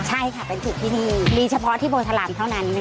ใช่ค่ะเป็นสูตรที่นี่